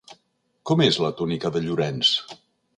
Com és la túnica de Llorenç?